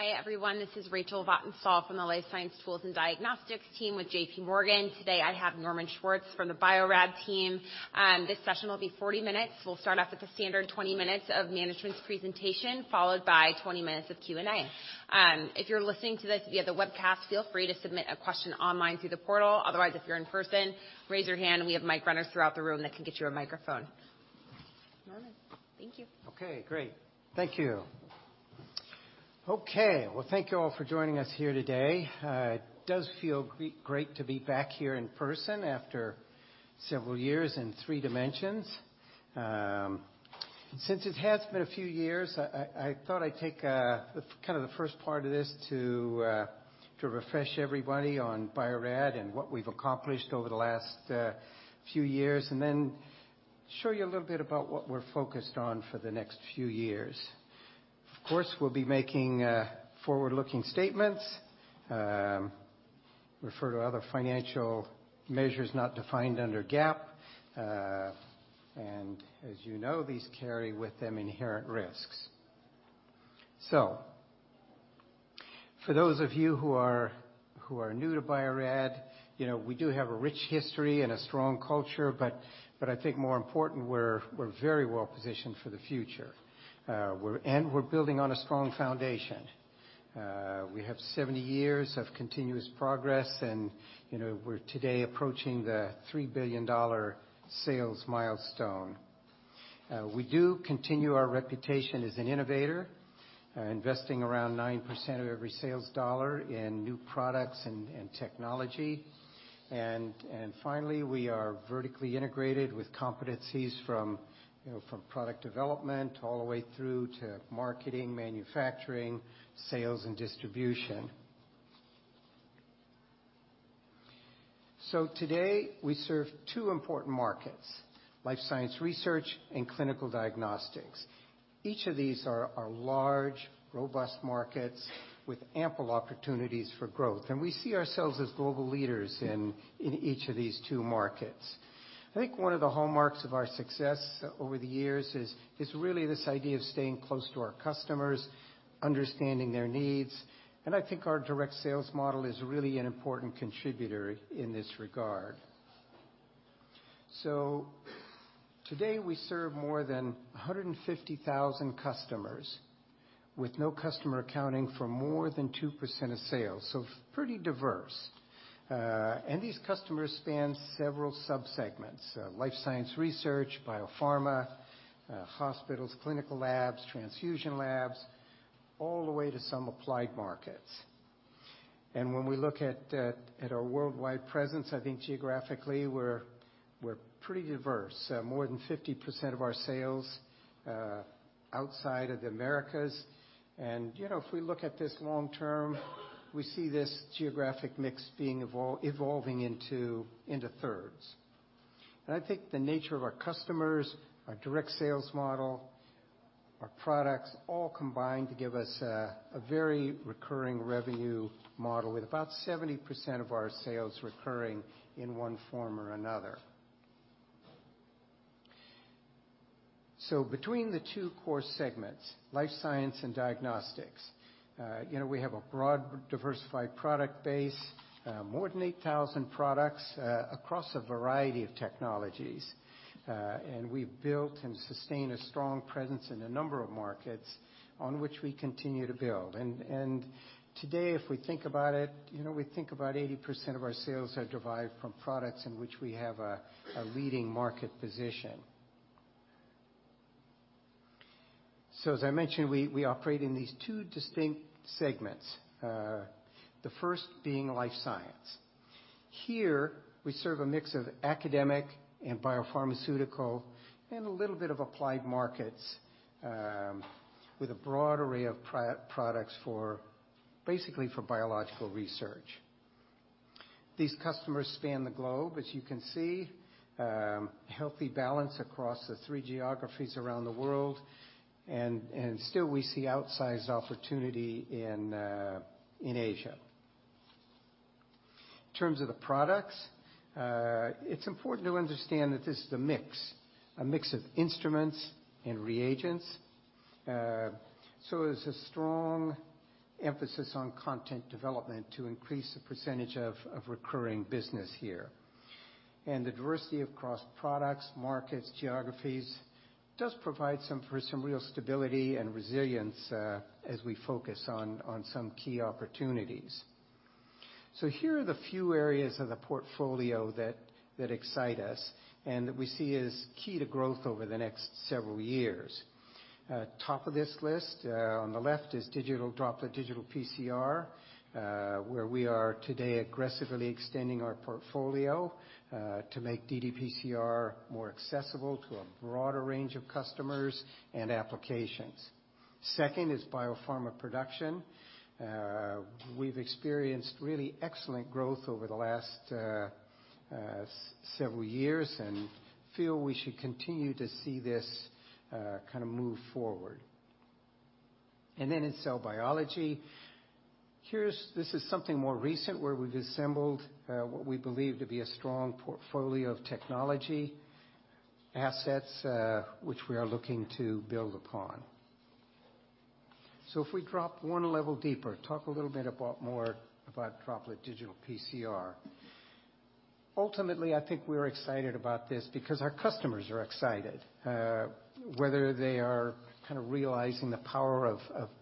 Hi, everyone. This is Rachel Vatnsdal from the Life Science Tools and Diagnostics team with JPMorgan. Today, I have Norman Schwartz from the Bio-Rad team. This session will be 40 minutes. We'll start off with the standard 20 minutes of management's presentation, followed by 20 minutes of Q&A. If you're listening to this via the webcast, feel free to submit a question online through the portal. Otherwise, if you're in-person, raise your hand, and we have mic runners throughout the room that can get you a microphone. Norman, thank you. Okay, great. Thank you. Okay. Thank you all for joining us here today. It does feel great to be back here in person after several years in three dimensions. Since it has been a few years, I thought I'd take kind of the first part of this to refresh everybody on Bio-Rad and what we've accomplished over the last few years, and then show you a little bit about what we're focused on for the next few years. Of course, we'll be making forward-looking statements, refer to other financial measures not defined under GAAP. As you know, these carry with them inherent risks. For those of you who are new to Bio-Rad, you know, we do have a rich history and a strong culture, but I think more important, we're very well-positioned for the future. We're building on a strong foundation. We have 70 years of continuous progress and, you know, we're today approaching the $3 billion sales milestone. We do continue our reputation as an innovator, investing around 9% of every sales dollar in new products and technology. Finally, we are vertically integrated with competencies from, you know, from product development all the way through to marketing, manufacturing, sales and distribution. Today, we serve two important markets: life science research and clinical diagnostics. Each of these are large, robust markets with ample opportunities for growth. We see ourselves as global leaders in each of these two markets. I think one of the hallmarks of our success over the years is really this idea of staying close to our customers, understanding their needs. I think our direct sales model is really an important contributor in this regard. Today, we serve more than 150,000 customers, with no customer accounting for more than 2% of sales. Pretty diverse. These customers span several sub-segments. Life science research, biopharma, hospitals, clinical labs, transfusion labs, all the way to some applied markets. When we look at our worldwide presence, I think geographically, we're pretty diverse. More than 50% of our sales outside of the Americas. You know, if we look at this long term, we see this geographic mix being evolving into thirds. I think the nature of our customers, our direct sales model, our products all combine to give us a very recurring revenue model with about 70% of our sales recurring in one form or another. Between the two core segments, life science and diagnostics, you know, we have a broad diversified product base, more than 8,000 products, across a variety of technologies. We've built and sustained a strong presence in a number of markets on which we continue to build. Today, if we think about it, you know, we think about 80% of our sales are derived from products in which we have a leading market position. As I mentioned, we operate in these two distinct segments. The first being life science. Here, we serve a mix of academic and biopharmaceutical, and a little bit of applied markets, with a broad array of products for basically for biological research. These customers span the globe. As you can see, healthy balance across the three geographies around the world, and still we see outsized opportunity in Asia. In terms of the products, it's important to understand that this is a mix of instruments and reagents. It's a strong emphasis on content development to increase the percentage of recurring business here. The diversity across products, markets, geographies does provide for some real stability and resilience, as we focus on some key opportunities. Here are the few areas of the portfolio that excite us and that we see as key to growth over the next several years. Top of this list on the left is Droplet Digital PCR, where we are today aggressively extending our portfolio to make ddPCR more accessible to a broader range of customers and applications. Second is biopharma production. We've experienced really excellent growth over the last several years and feel we should continue to see this kind of move forward. In cell biology, this is something more recent where we've assembled what we believe to be a strong portfolio of technology assets, which we are looking to build upon. If we drop one level deeper, talk a little bit about more about Droplet Digital PCR. Ultimately, I think we're excited about this because our customers are excited. Whether they are kind of realizing the power of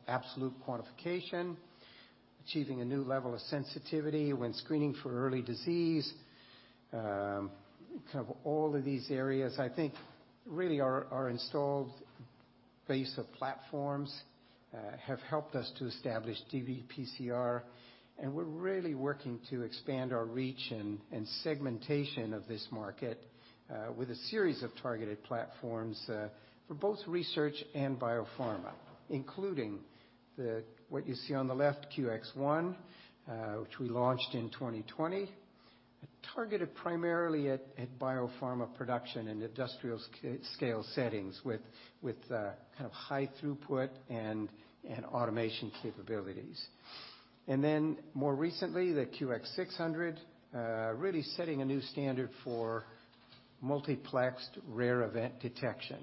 absolute quantification, achieving a new level of sensitivity when screening for early disease. Kind of all of these areas I think really are installed base of platforms have helped us to establish ddPCR, and we're really working to expand our reach and segmentation of this market with a series of targeted platforms for both research and biopharma, including what you see on the left, QX ONE, which we launched in 2020, targeted primarily at biopharma production and industrial scale settings with kind of high throughput and automation capabilities. More recently, the QX600 really setting a new standard for multiplexed rare event detection.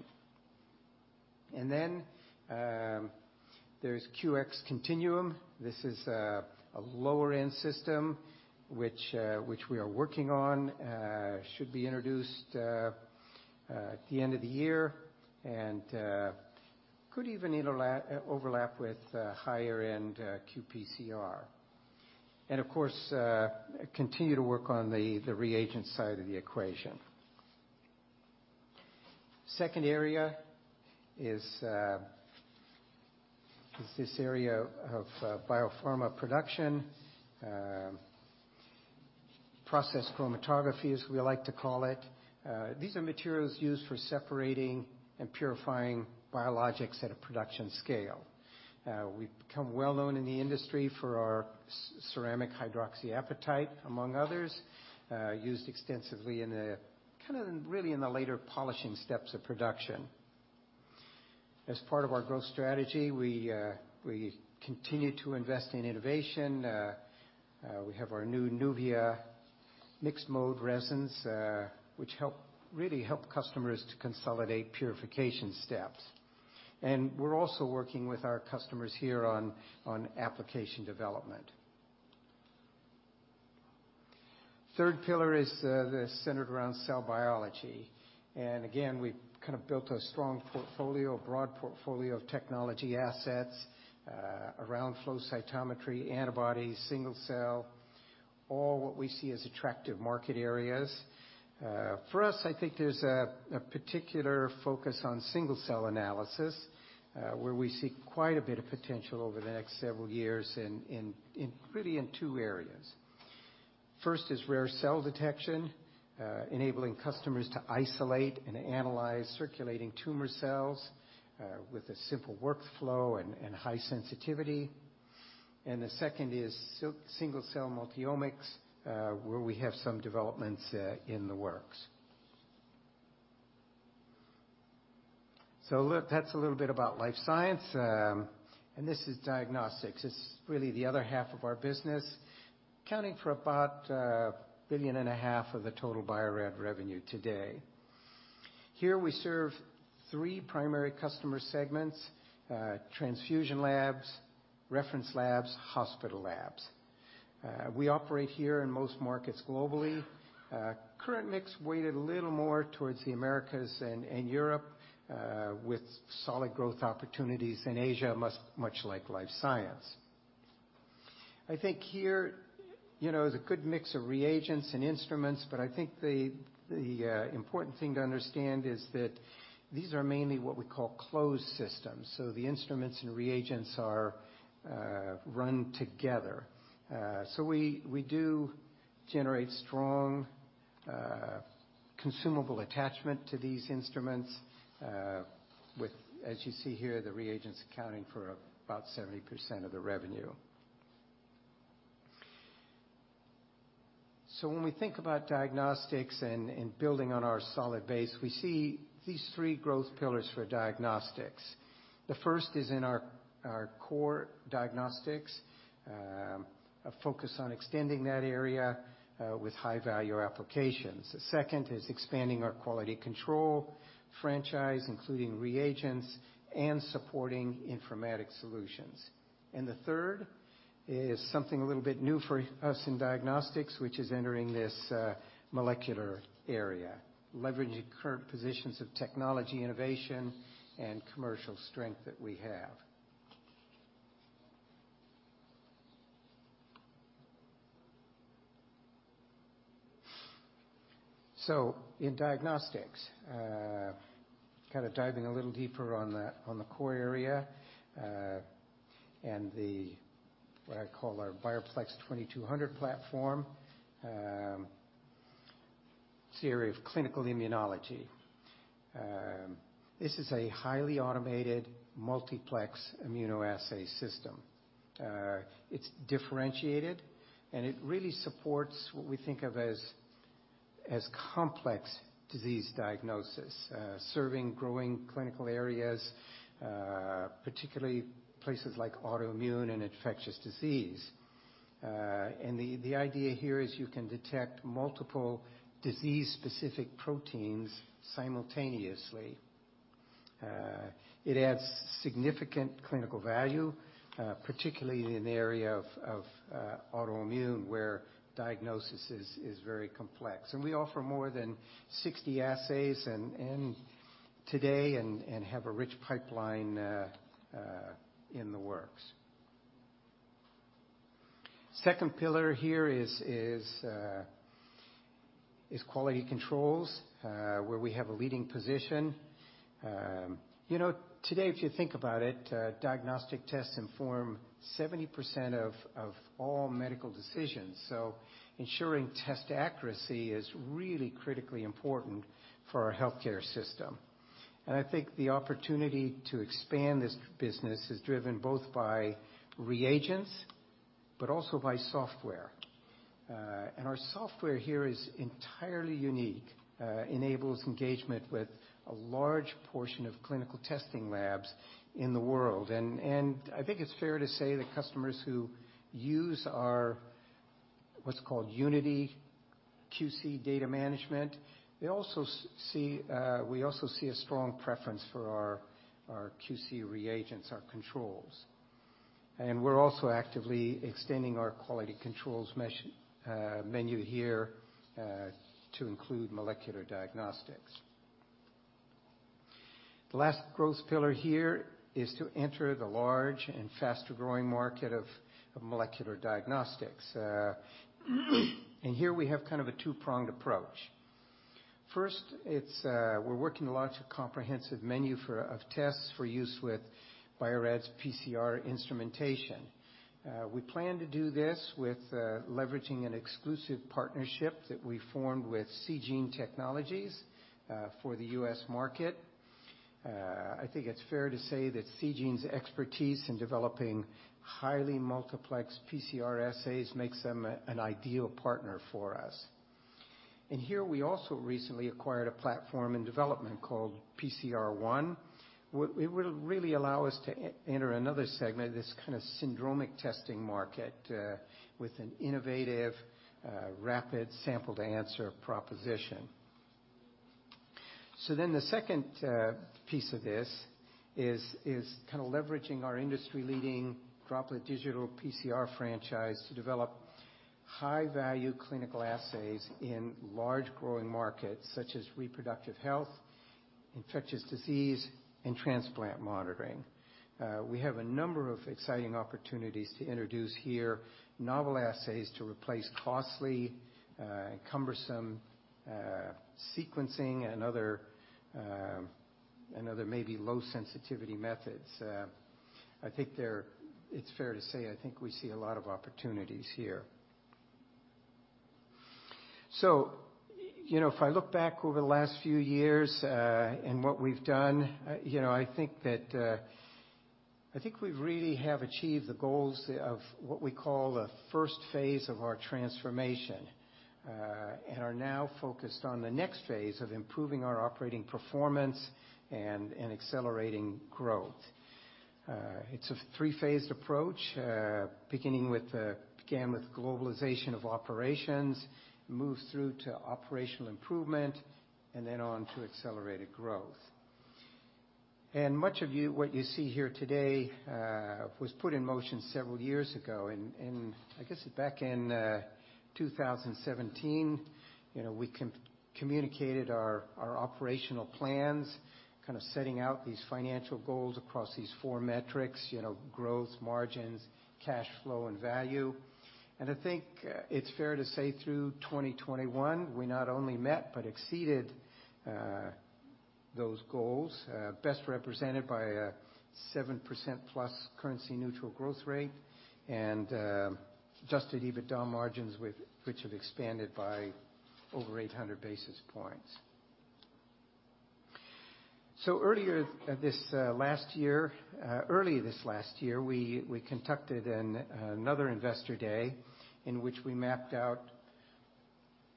There's QX Continuum. This is a lower-end system which we are working on, should be introduced at the end of the year and could even overlap with higher-end qPCR. Of course, continue to work on the reagent side of the equation. Second area is this area of biopharma production, process chromatography, as we like to call it. These are materials used for separating and purifying biologics at a production scale. We've become well known in the industry for our ceramic hydroxyapatite, among others, used extensively in the kinda really in the later polishing steps of production. As part of our growth strategy, we continue to invest in innovation. We have our new Nuvia mixed mode resins, which really help customers to consolidate purification steps. We're also working with our customers here on application development. Third pillar is centered around cell biology. Again, we've kind of built a strong portfolio, a broad portfolio of technology assets around flow cytometry, antibodies, single cell, all what we see as attractive market areas. For us, I think there's a particular focus on single cell analysis, where we see quite a bit of potential over the next several years in really in two areas. First is rare cell detection, enabling customers to isolate and analyze circulating tumor cells with a simple workflow and high sensitivity. The second is single cell multiomics, where we have some developments in the works. That's a little bit about life science, and this is diagnostics. It's really the other half of our business, accounting for about $1.5 billion of the total Bio-Rad revenue today. Here we serve three primary customer segments: transfusion labs, reference labs, hospital labs. We operate here in most markets globally. Current mix weighted a little more towards the Americas and Europe, with solid growth opportunities in Asia, much like life science. I think here, you know, is a good mix of reagents and instruments, but I think the important thing to understand is that these are mainly what we call closed systems, so the instruments and reagents are run together. We do generate strong consumable attachment to these instruments, with, as you see here, the reagents accounting for about 70% of the revenue. When we think about diagnostics and building on our solid base, we see these three growth pillars for diagnostics. The first is in our core diagnostics, a focus on extending that area with high-value applications. The second is expanding our quality control franchise, including reagents and supporting informatics solutions. The third is something a little bit new for us in diagnostics, which is entering this molecular area, leveraging current positions of technology innovation and commercial strength that we have. In diagnostics, kinda diving a little deeper on the core area, and the, what I call our BioPlex 2200 platform, series of clinical immunology. This is a highly automated multiplex immunoassay system. It's differentiated, and it really supports what we think of as complex disease diagnosis, serving growing clinical areas, particularly places like autoimmune and infectious disease. The idea here is you can detect multiple disease-specific proteins simultaneously. It adds significant clinical value, particularly in the area of autoimmune, where diagnosis is very complex. We offer more than 60 assays and today and have a rich pipeline in the works. Second pillar here is quality controls, where we have a leading position. You know, today, if you think about it, diagnostic tests inform 70% of all medical decisions. Ensuring test accuracy is really critically important for our healthcare system. I think the opportunity to expand this business is driven both by reagents, but also by software. Our software here is entirely unique, enables engagement with a large portion of clinical testing labs in the world. I think it's fair to say that customers who use our, what's called Unity QC data management, they also see a strong preference for our QC reagents, our controls. We're also actively extending our quality controls menu here to include molecular diagnostics. The last growth pillar here is to enter the large and fast-growing market of molecular diagnostics. Here we have kind of a two-pronged approach. First, we're working a large comprehensive menu of tests for use with Bio-Rad's PCR instrumentation. We plan to do this with leveraging an exclusive partnership that we formed with Seegene Technologies for the U.S. market. I think it's fair to say that Seegene's expertise in developing highly multiplex PCR assays makes them an ideal partner for us. Here, we also recently acquired a platform in development called PCR|ONE. It will really allow us to enter another segment, this kind of syndromic testing market, with an innovative, rapid sample-to-answer proposition. The second piece of this is kind of leveraging our industry-leading Droplet Digital PCR franchise to develop high-value clinical assays in large growing markets, such as reproductive health, infectious disease, and transplant monitoring. We have a number of exciting opportunities to introduce here novel assays to replace costly, cumbersome, sequencing and other maybe low sensitivity methods. I think it's fair to say, I think we see a lot of opportunities here. You know, if I look back over the last few years, and what we've done, you know, I think that, I think we really have achieved the goals, of what we call the first phase of our transformation. Are now focused on the next phase of improving our operating performance and accelerating growth. It's a three-phased approach. Beginning with, began with globalization of operations, moves through to operational improvement, and then on to accelerated growth. Much of what you see here today, was put in motion several years ago. I guess back in, 2017, you know, we communicated our operational plans, kind of setting out these financial goals across these four metrics, you know, growth, margins, cash flow, and value. I think it's fair to say through 2021, we not only met but exceeded those goals, best represented by a 7%+ currency neutral growth rate and Adjusted EBITDA margins which have expanded by over 800 basis points. Earlier this last year, early this last year, we conducted another investor day in which we mapped out,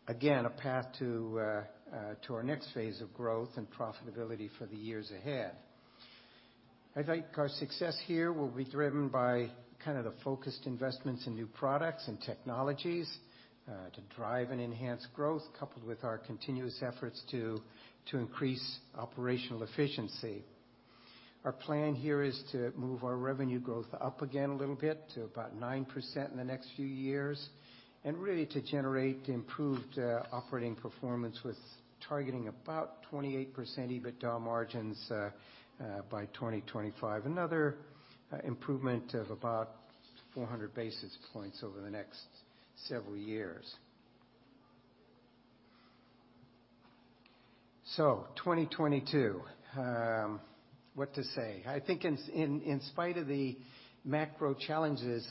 again, a path to our next phase of growth and profitability for the years ahead. I think our success here will be driven by kind of the focused investments in new products and technologies to drive and enhance growth, coupled with our continuous efforts to increase operational efficiency. Our plan here is to move our revenue growth up again a little bit to about 9% in the next few years, and really to generate improved operating performance with targeting about 28% EBITDA margins by 2025. Another improvement of about 400 basis points over the next several years. 2022. What to say? I think in spite of the macro challenges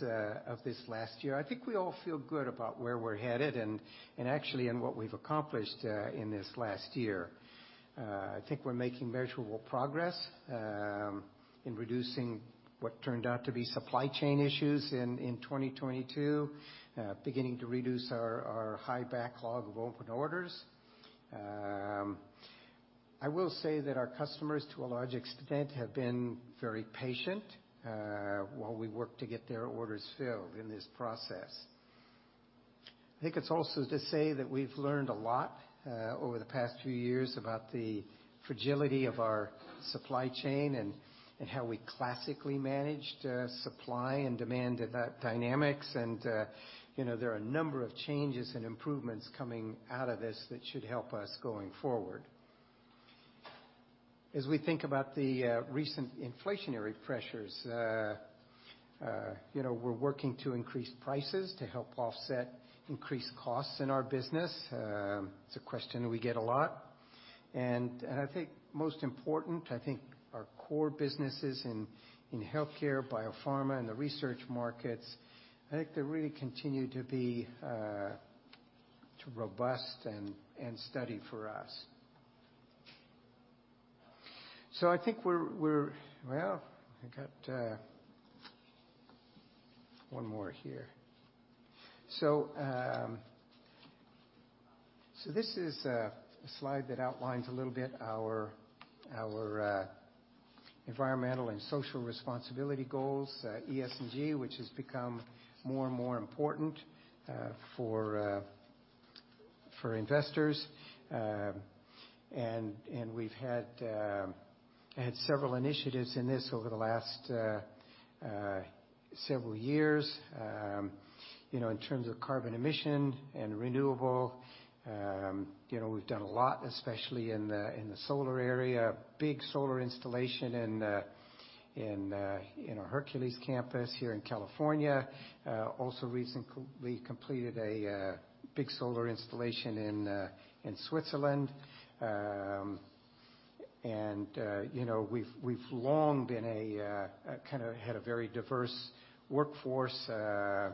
of this last year, I think we all feel good about where we're headed and actually in what we've accomplished in this last year. I think we're making measurable progress in reducing what turned out to be supply chain issues in 2022. Beginning to reduce our high backlog of open orders. I will say that our customers, to a large extent, have been very patient while we work to get their orders filled in this process. I think it's also to say that we've learned a lot over the past few years about the fragility of our supply chain and how we classically managed supply and demand dynamics. You know, there are a number of changes and improvements coming out of this that should help us going forward. As we think about the recent inflationary pressures, you know, we're working to increase prices to help offset increased costs in our business. It's a question we get a lot. I think most important, I think our core businesses in healthcare, biopharma, and the research markets, I think they really continue to be robust and steady for us. I think we're. Well, I got one more here. This is a slide that outlines a little bit our environmental and social responsibility goals, ESG, which has become more and more important for investors. And we've had several initiatives in this over the last several years, you know, in terms of carbon emission and renewable. You know, we've done a lot, especially in the solar area. Big solar installation in our Hercules campus here in California. Also recently completed a big solar installation in Switzerland. And, you know, we've long been a kinda had a very diverse workforce, so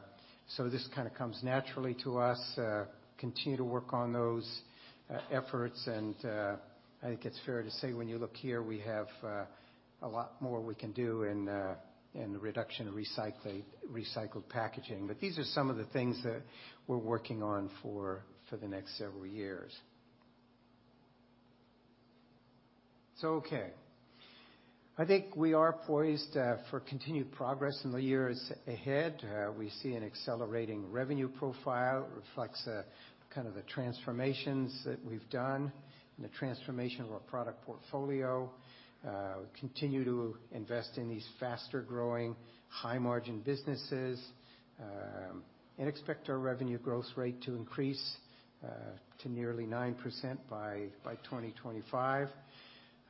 this kinda comes naturally to us. Continue to work on those efforts. I think it's fair to say when you look here, we have a lot more we can do in the reduction of recycled packaging. These are some of the things that we're working on for the next several years. I think we are poised for continued progress in the years ahead. We see an accelerating revenue profile. It reflects kind of the transformations that we've done and the transformation of our product portfolio. We continue to invest in these faster-growing, high-margin businesses and expect our revenue growth rate to increase to nearly 9% by 2025.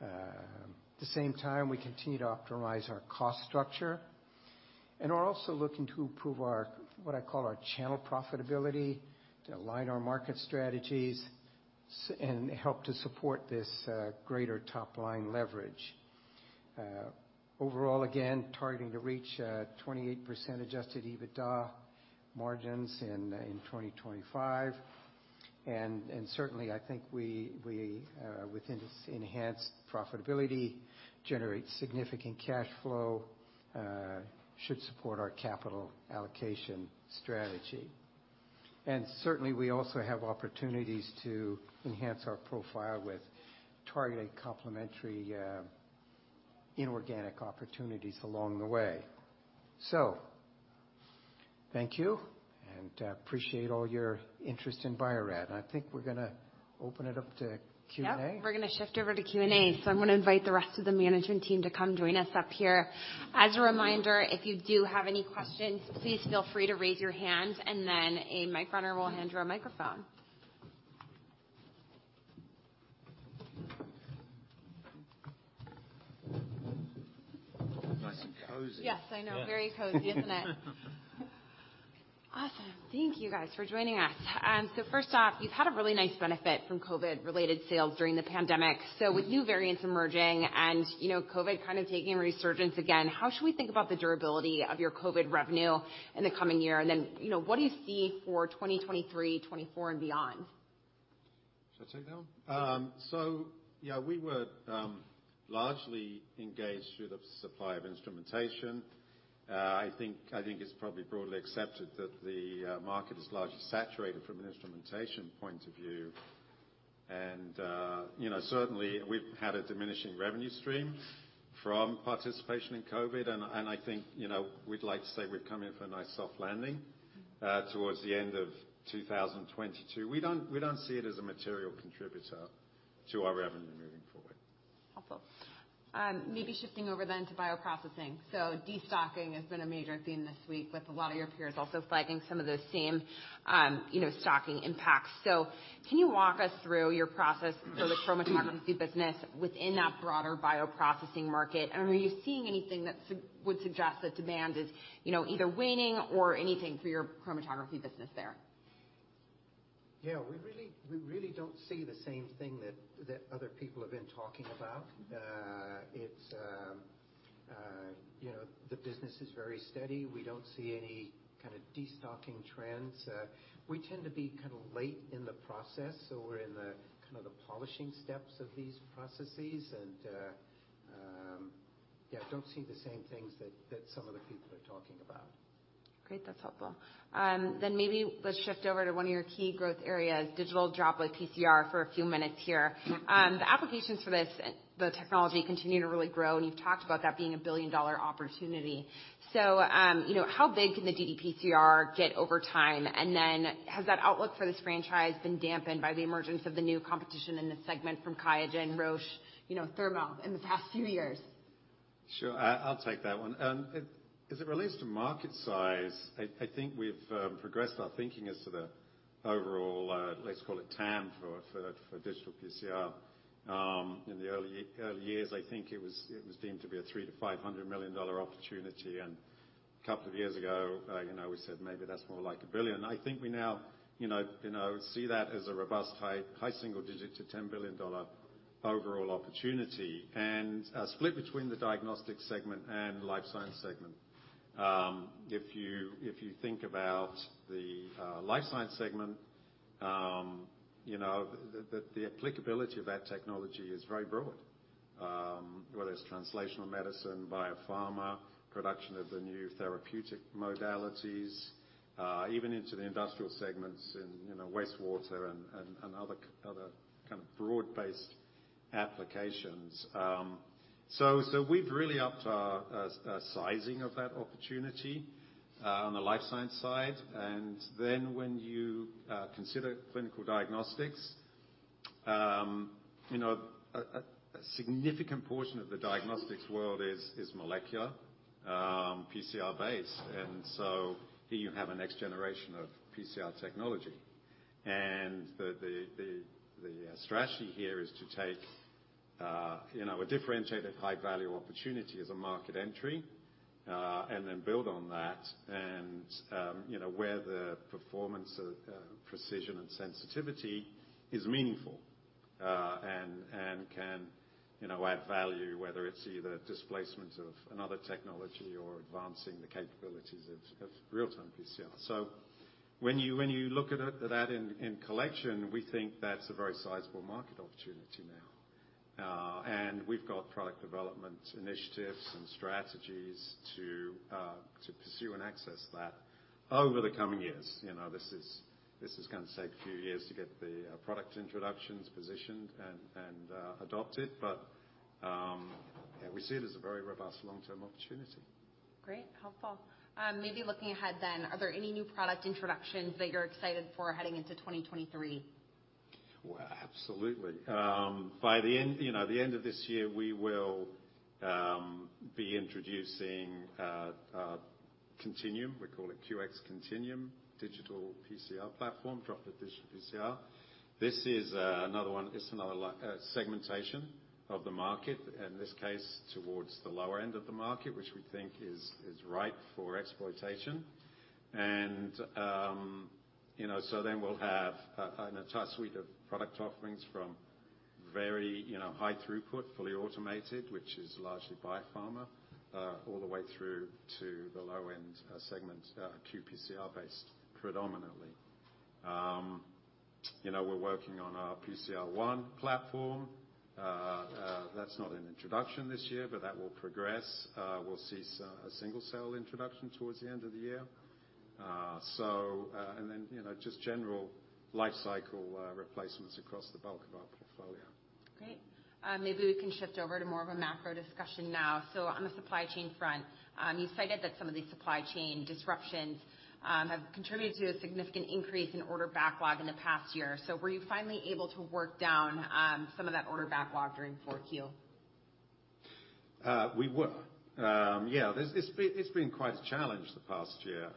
At the same time, we continue to optimize our cost structure, and are also looking to improve our, what I call our channel profitability to align our market strategies and help to support this greater top-line leverage. Overall, again, targeting to reach 28% Adjusted EBITDA margins in 2025. Certainly, I think we within this enhanced profitability, generate significant cash flow, should support our capital allocation strategy. Certainly, we also have opportunities to enhance our profile with targeted complementary inorganic opportunities along the way. Thank you, and appreciate all your interest in Bio-Rad. I think we're gonna open it up to Q&A. Yep. We're gonna shift over to Q&A. I'm gonna invite the rest of the management team to come join us up here. As a reminder, if you do have any questions, please feel free to raise your hand, and then a microner will hand you a microphone. Nice and cozy. Yes, I know. Yeah. Very cozy, isn't it? Awesome. Thank you, guys, for joining us. First off, you've had a really nice benefit from COVID-related sales during the pandemic. With new variants emerging and, you know, COVID kind of taking a resurgence again, how should we think about the durability of your COVID revenue in the coming year? You know, what do you see for 2023, 2024 and beyond? Should I take that one? Yeah, we were largely engaged through the supply of instrumentation. I think it's probably broadly accepted that the market is largely saturated from an instrumentation point of view. You know, certainly we've had a diminishing revenue stream from participation in COVID. I think, you know, we'd like to say we've come in for a nice soft landing towards the end of 2022. We don't see it as a material contributor to our revenue moving forward. Awesome. Maybe shifting over then to bioprocessing. Destocking has been a major theme this week with a lot of your peers also flagging some of those same, you know, stocking impacts. Can you walk us through your process for the chromatography business within that broader bioprocessing market? Are you seeing anything that would suggest that demand is, you know, either waning or anything for your chromatography business there? Yeah. We really don't see the same thing that other people have been talking about. It's, you know, the business is very steady. We don't see any kinda destocking trends. We tend to be kinda late in the process, so we're in the, kinda the polishing steps of these processes. Yeah, don't see the same things that some of the people are talking about. Great. That's helpful. Then maybe let's shift over to one of your key growth areas, Droplet Digital PCR for a few minutes here. The applications for this, the technology continue to really grow, and you've talked about that being a billion-dollar opportunity. you know, how big can the ddPCR get over time? has that outlook for this franchise been dampened by the emergence of the new competition in this segment from Qiagen, Roche, you know, Thermo in the past few years? Sure. I'll take that one. As it relates to market size, I think we've progressed our thinking as to the overall, let's call it TAM for digital PCR. In the early years, I think it was deemed to be a $300 million-$500 million opportunity. A couple of years ago, you know, we said maybe that's more like $1 billion. I think we now, you know, see that as a robust high single digit to $10 billion overall opportunity. A split between the diagnostic segment and life science segment. If you think about the life science segment, you know, the applicability of that technology is very broad. Whether it's translational medicine, biopharma, production of the new therapeutic modalities, even into the industrial segments in, you know, wastewater and other kind of broad-based applications. We've really upped our sizing of that opportunity on the life science side. When you consider clinical diagnostics, you know, a significant portion of the diagnostics world is molecular, PCR based. Here you have a next generation of PCR technology. The strategy here is to take, you know, a differentiated high-value opportunity as a market entry, and then build on that. You know, where the performance of precision and sensitivity is meaningful, and can, you know, add value, whether it's either displacement of another technology or advancing the capabilities of real-time PCR. When you look at that in collection, we think that's a very sizable market opportunity now. We've got product development initiatives and strategies to pursue and access that over the coming years. You know, this is gonna take a few years to get the product introductions positioned and adopted. We see it as a very robust long-term opportunity. Great. Helpful. maybe looking ahead then. Are there any new product introductions that you're excited for heading into 2023? Well, absolutely. By the end, you know, the end of this year, we will be introducing Continuum. We call it QX Continuum digital PCR platform. Droplet Digital PCR. This is another one. It's another segmentation of the market, in this case, towards the lower end of the market, which we think is ripe for exploitation. You know, we'll have an entire suite of product offerings from very, you know, high throughput, fully automated, which is largely biopharma, all the way through to the low-end segment, qPCR-based predominantly. You know, we're working on our PCR|ONE platform. That's not an introduction this year, but that will progress. We'll see a single-cell introduction towards the end of the year. You know, just general life cycle replacements across the bulk of our portfolio. Great. Maybe we can shift over to more of a macro discussion now. On the supply chain front, you cited that some of these supply chain disruptions, have contributed to a significant increase in order backlog in the past year. Were you finally able to work down, some of that order backlog during 4Q? We were. Yeah, this, it's been quite a challenge the past year.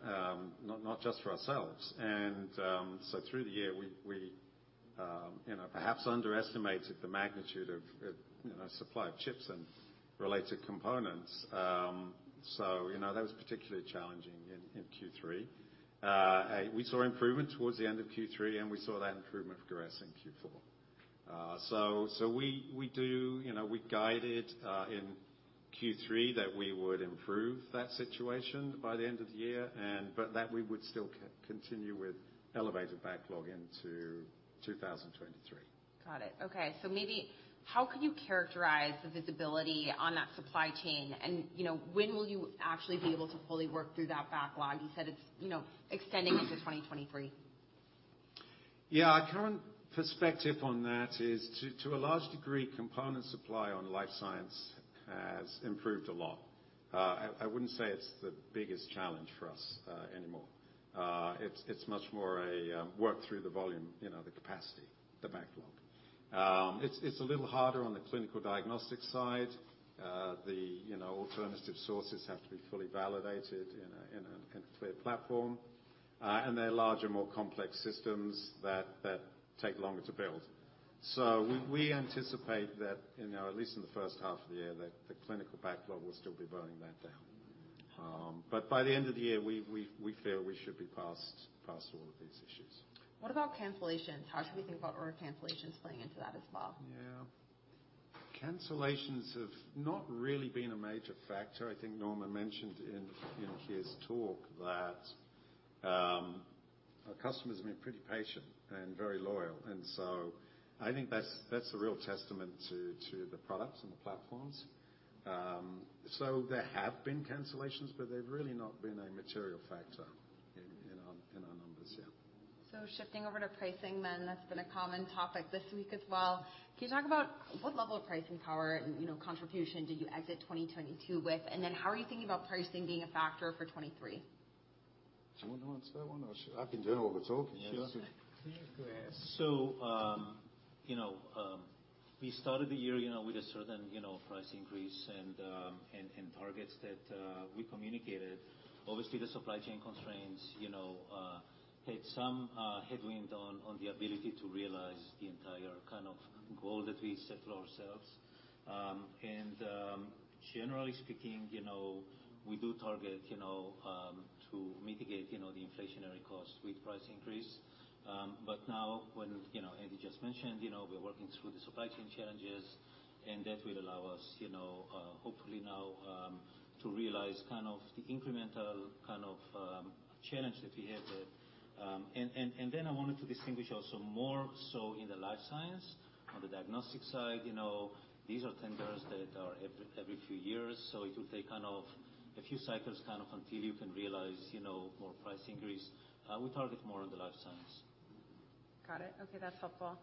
Not just for ourselves. Through the year, we, you know, perhaps underestimated the magnitude of, you know, supply of chips and related components. You know, that was particularly challenging in Q3. We saw improvement towards the end of Q3, and we saw that improvement progress in Q4. We do. You know, we guided in Q3 that we would improve that situation by the end of the year but that we would still continue with elevated backlog into 2023. Got it. Okay. Maybe how can you characterize the visibility on that supply chain? You know, when will you actually be able to fully work through that backlog? You said it's, you know, extending into 2023. Yeah. Our current perspective on that is to a large degree, component supply on life science has improved a lot. I wouldn't say it's the biggest challenge for us anymore. It's much more a work through the volume, you know, the capacity, the backlog. It's a little harder on the clinical diagnostics side. The, you know, alternative sources have to be fully validated in a clear platform. They're larger more complex systems that take longer to build. We anticipate that, you know, at least in the first half of the year that the clinical backlog will still be burning that down. By the end of the year we feel we should be past all of these issues. What about cancellations? How should we think about order cancellations playing into that as well? Yeah. Cancellations have not really been a major factor. I think Norman mentioned in his talk that our customers have been pretty patient and very loyal. I think that's a real testament to the products and the platforms. There have been cancellations but they've really not been a material factor in our numbers. Yeah. Shifting over to pricing then, that's been a common topic this week as well. Can you talk about what level of pricing power and, you know, contribution did you exit 2022 with? How are you thinking about pricing being a factor for 2023? Do you wanna answer that one or should? I can do it while we're talking. Yes. Please go ahead. You know, we started the year, you know, with a certain, you know, price increase and targets that we communicated. Obviously, the supply chain constraints, you know, had some headwind on the ability to realize the entire kind of goal that we set for ourselves. Generally speaking, you know, we do target, you know, to mitigate, you know, the inflationary cost with price increase. Now when, you know, Andy just mentioned, you know, we're working through the supply chain challenges and that will allow us, you know, hopefully now to realize kind of the incremental challenge that we had there. Then I wanted to distinguish also more so in the life science on the diagnostic side, you know, these are tenders that are every few years. It will take kind of a few cycles kind of until you can realize, you know, more price increase. We target more on the life science. Got it. Okay, that's helpful.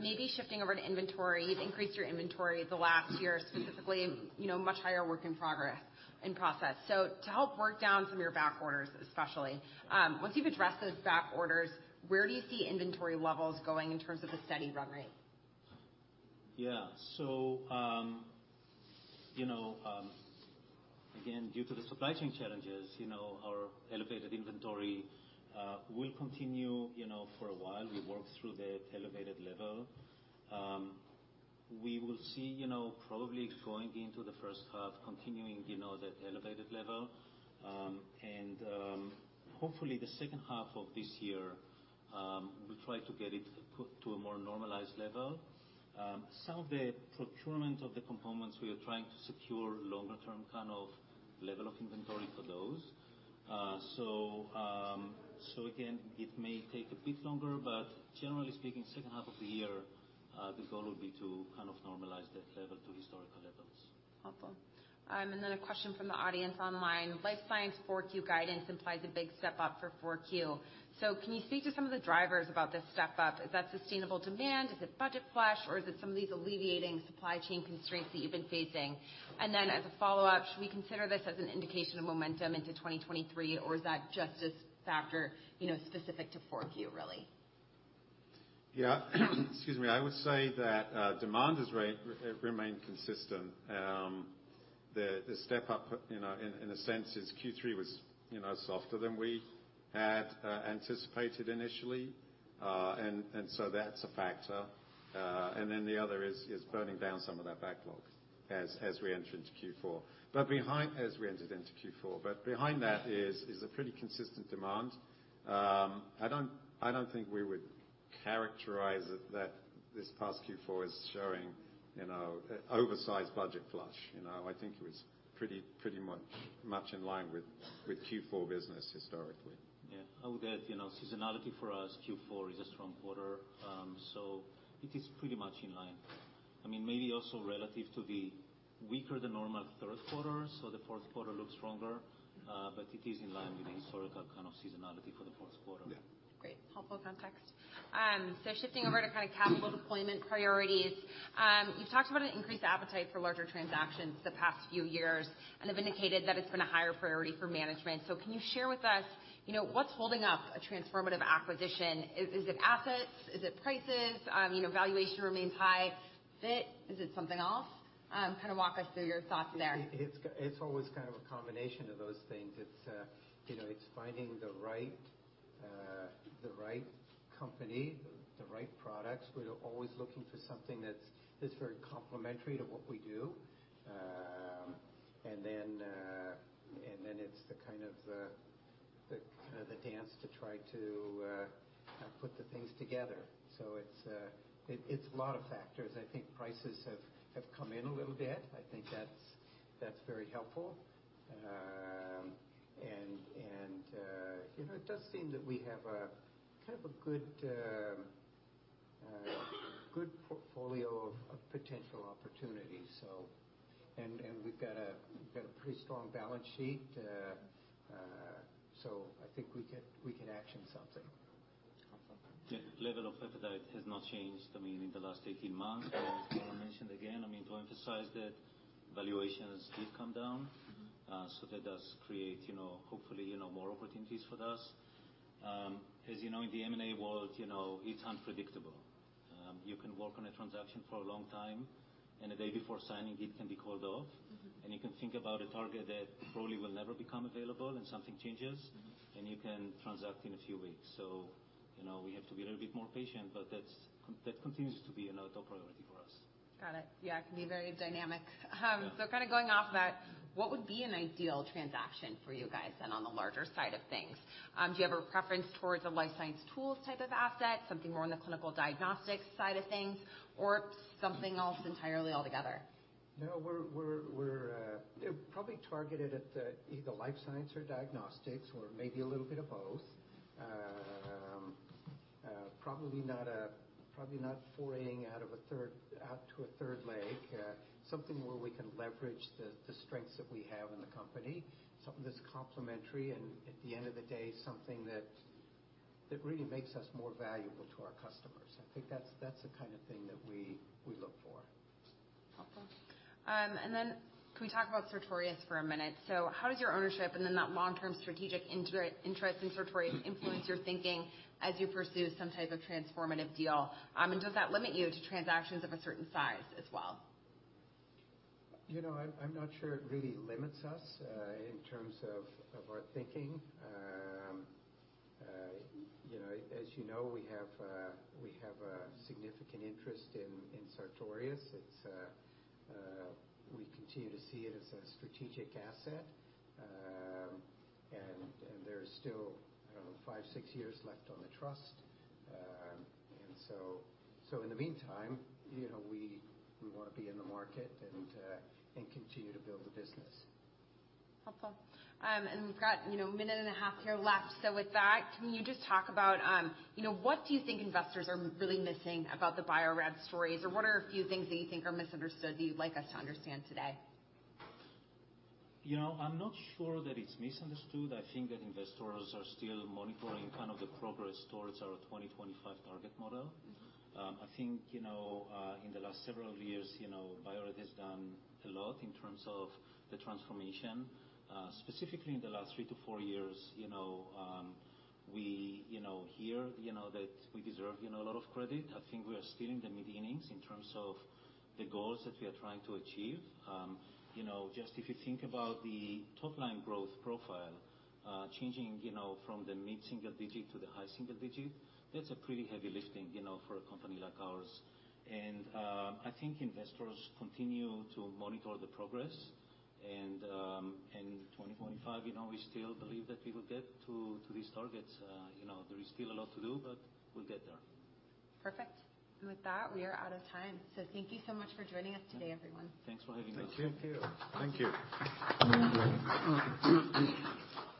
maybe shifting over to inventory. You've increased your inventory the last year specifically, you know, much higher work in progress, in process. to help work down from your back orders, especially, once you've addressed those back orders, where do you see inventory levels going in terms of a steady run rate? Yeah. Again, due to the supply chain challenges, our elevated inventory will continue for a while. We work through the elevated level. We will see probably going into the first half continuing that elevated level. Hopefully the second half of this year we try to get it put to a more normalized level. Some of the procurement of the components we are trying to secure longer term kind of level of inventory for those. Again, it may take a bit longer but generally speaking, second half of the year, the goal would be to kind of normalize that level to historical levels. Helpful. A question from the audience online. Life science 4Q guidance implies a big step up for 4Q. Can you speak to some of the drivers about this step up? Is that sustainable demand? Is it budget flush or is it some of these alleviating supply chain constraints that you've been facing? As a follow-up, should we consider this as an indication of momentum into 2023 or is that just a factor, you know, specific to 4Q, really? Yeah. Excuse me. I would say that demand has remained consistent. The, the step up, you know, in a sense since Q3 was, you know, softer than we had anticipated initially. That's a factor. The other is burning down some of that backlog as we enter into Q4. As we entered into Q4. Behind that is a pretty consistent demand. I don't, I don't think we would characterize it that this past Q4 is showing, you know, oversized budget flush. I think it was pretty much in line with Q4 business historically. Yeah. I would add, you know, seasonality for us, Q4 is a strong quarter. It is pretty much in line. I mean, maybe also relative to the weaker than normal third quarter, the fourth quarter looks stronger but it is in line with the historical kind of seasonality for the fourth quarter. Yeah. Great. Helpful context. Shifting over to kind of capital deployment priorities. You've talked about an increased appetite for larger transactions the past few years and have indicated that it's been a higher priority for management. Can you share with us, you know, what's holding up a transformative acquisition? Is it assets? Is it prices? You know, valuation remains high. Fit. Is it something else? Kind of walk us through your thoughts there. It's always kind of a combination of those things. It's, you know, it's finding the right, the right company, the right products. We're always looking for something that's very complementary to what we do. And then, and then it's the kind of the, kind of the dance to try to put the things together. It's a lot of factors. I think prices have come in a little bit. I think that's very helpful. And, you know, it does seem that we have a kind of a good portfolio of potential opportunities. And we've got a pretty strong balance sheet. I think we can action something. Helpful. Yeah. Level of appetite has not changed, I mean in the last 18 months. As I mentioned again, I mean, to emphasize that valuations did come down. Mm-hmm. That does create, you know, hopefully, you know, more opportunities for us. You know, in the M&A world, you know, it's unpredictable. You can work on a transaction for a long time and the day before signing, it can be called off. Mm-hmm. You can think about a target that probably will never become available and something changes. Mm-hmm. You can transact in a few weeks. You know, we have to be a little bit more patient but that continues to be, you know, a top priority for us. Got it. Yeah, it can be very dynamic. Kind of going off that, what would be an ideal transaction for you guys then on the larger side of things? Do you have a preference towards a life science tools type of asset, something more on the clinical diagnostics side of things or something else entirely altogether? No, we're probably targeted at either life science or diagnostics or maybe a little bit of both. Probably not probably not foraying out to a third leg. Something where we can leverage the strengths that we have in the company, something that's complementary and at the end of the day, something that really makes us more valuable to our customers. I think that's the kind of thing that we look for. Helpful. Can we talk about Sartorius for a minute? How does your ownership and then that long-term strategic interest in Sartorius influence your thinking as you pursue some type of transformative deal? Does that limit you to transactions of a certain size as well? You know, I'm not sure it really limits us in terms of our thinking. You know, as you know, we have a significant interest in Sartorius. It's, we continue to see it as a strategic asset. There's still, I don't know, five, six years left on the trust. So in the meantime, you know, we wanna be in the market and continue to build the business. Helpful. We've got, you know, a minute and a half here left. With that can you just talk about, you know, what do you think investors are really missing about the Bio-Rad stories? What are a few things that you think are misunderstood that you'd like us to understand today? You know, I'm not sure that it's misunderstood. I think that investors are still monitoring kind of the progress towards our 2025 target model. Mm-hmm. I think, you know, in the last several years, you know, Bio-Rad has done a lot in terms of the transformation. Specifically in the last three to four years, you know, we, you know, here, you know, that we deserve, you know, a lot of credit. I think we are still in the mid-innings in terms of the goals that we are trying to achieve. You know, just if you think about the top line growth profile, changing, you know, from the mid-single digit to the high single digit, that's a pretty heavy lifting, you know, for a company like ours. I think investors continue to monitor the progress. 2025, you know, we still believe that we will get to these targets. You know, there is still a lot to do but we'll get there. Perfect. With that we are out of time. Thank you so much for joining us today, everyone. Thanks for having us. Thank you. Thank you.